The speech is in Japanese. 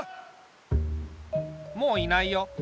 もういないよ。